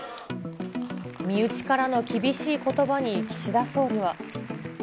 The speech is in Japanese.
身内からの厳しいことばに岸田総理は。